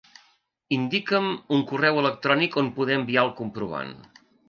Indica'm un correu electrònic on poder enviar el comprovant.